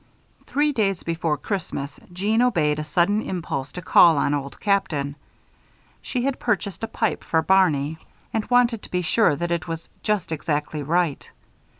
Three days before Christmas, Jeanne obeyed a sudden impulse to call on Old Captain. She had purchased a pipe for Barney and wanted to be sure that it was just exactly right.